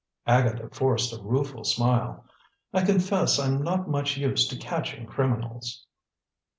Agatha forced a rueful smile. "I confess I'm not much used to catching criminals."